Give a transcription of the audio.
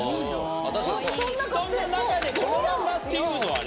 布団の中でこのまんまっていうのはね。